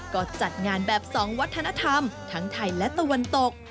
ก็จัดงานแบบ๒วัฒนธรรมทั้งไทยและตะวันตก